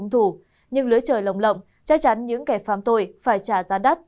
nhưng lưới trời lộng lộng chắc chắn những kẻ phàm tội phải trả giá đắt